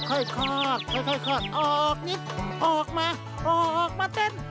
ออกค่อยค่อนออกนิดออกมาออกมาเต้น